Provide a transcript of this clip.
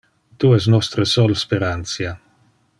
Tu es nostre sol sperantia.